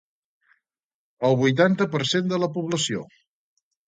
El vuitanta per cent de la població.